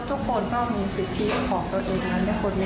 ทุกคนต้องมีสิทธิของตัวเองและ